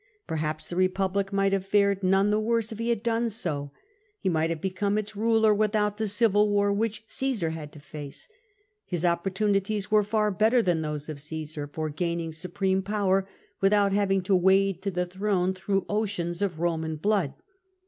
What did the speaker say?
Perhaps the Eepublic might have fared none the worse if he had done so ; he might have become its ruler without the civil war which Caesar had to face. His opportunities were far better than those of Caesar for gaining supreme power, without having to wade to the throne through oceans of Eoman blood.